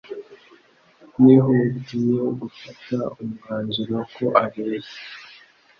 Nihutiye gufata umwanzuro ko abeshya